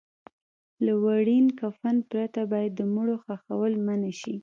له وړین کفن پرته باید د مړو خښول منع شي.